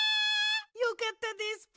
よかったですぷ！